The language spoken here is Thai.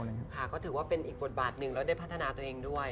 ค่ะก็ถือว่าเป็นอีกบทบาทหนึ่งแล้วได้พัฒนาตัวเองด้วย